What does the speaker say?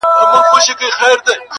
اوس به مي غوږونه تر لحده وي کاڼه ورته٫